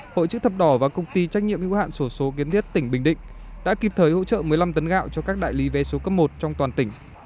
hội chữ thập đỏ và công ty trách nhiệm hữu hạn sổ số kiến thiết tỉnh bình định đã kịp thời hỗ trợ một mươi năm tấn gạo cho các đại lý vé số cấp một trong toàn tỉnh